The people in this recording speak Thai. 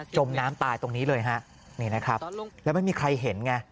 มน้ำตายตรงนี้เลยฮะนี่นะครับแล้วไม่มีใครเห็นไง